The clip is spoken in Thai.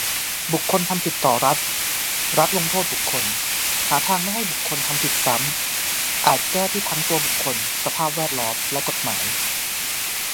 บุคคลทำผิดต่อรัฐ รัฐลงโทษบุคคล หาทางไม่ให้บุคคลทำผิดซ้ำ อาจแก้ที่ทั้งตัวบุคคล สภาพแวดล้อม และกฎหมาย